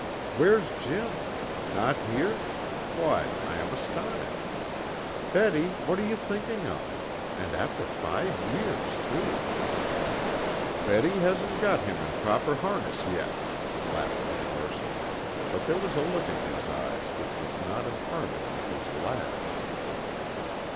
"Where's Jim? Not here? Why, I am astonished. Betty, what are you thinking of? and after five years, too." "Betty hasn't got him in proper harness yet," laughed the parson, but there was a look in his eyes which was not in harmony with his laugh.